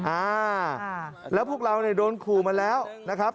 อ่าแล้วพวกเราเนี่ยโดนขู่มาแล้วนะครับ